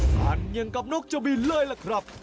ทานอย่างกับนกเจ้าบินเลยล่ะครับ